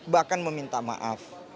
bahkan meminta maaf